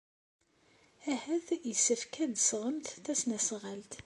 Ahat yessefk ad d-tesɣemt tasnasɣalt.